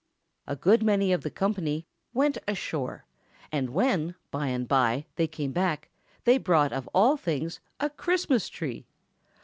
A good many of the company "went ashore," and when by and by they came back they brought, of all things, a Christmas Tree!